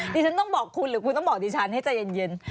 ดิฉันต้องบอกคุณหรือคุณต้องบอกดิฉันให้ใจเย็น